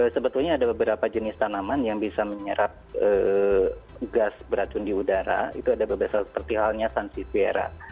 sebetulnya ada beberapa jenis tanaman yang bisa menyerap gas beracun di udara itu ada beberapa seperti halnya sansi viera